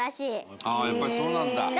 伊達：やっぱり、そうなんだ。